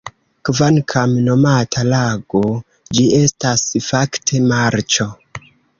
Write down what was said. Kvankam nomata lago, ĝi estas fakte marĉo.